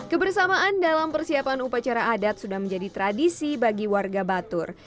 kebersamaan dalam persiapan upacara adat sudah menjadi tradisi bagi warga batur